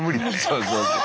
そうそうそう。